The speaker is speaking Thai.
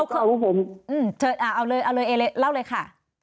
เอาเลยเอเล่าเลยค่ะ